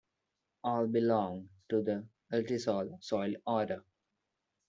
All belong to the Ultisol soil order.